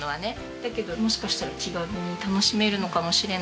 だけどもしかしたら気軽に楽しめるのかもしれないとか。